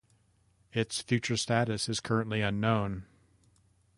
Its future status is currently unknown.